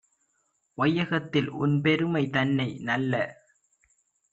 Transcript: வையகத்தில் உன்பெருமை தன்னை, நல்ல